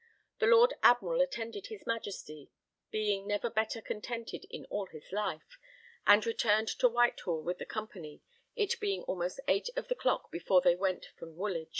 The Lord Admiral attended his Majesty, being never better contented in all his life, and returned to Whitehall with the company, it being almost eight of the clock before they went from Woolwich.